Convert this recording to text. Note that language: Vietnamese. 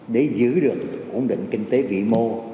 để giữ được ổn định kinh tế vĩ mô